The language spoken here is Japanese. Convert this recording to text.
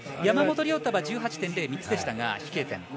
山本涼太は１８．０が３つでした、飛型点。